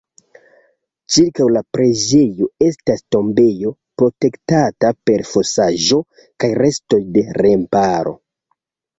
Ĉirkaŭ la preĝejo estas tombejo protektata per fosaĵo kaj restoj de remparo.